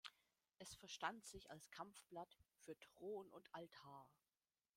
Es verstand sich als Kampfblatt „für Thron und Altar“.